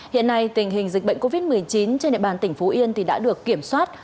hiện nay tình hình dịch bệnh covid một mươi chín trên địa bàn tỉnh phú yên đã được kiểm soát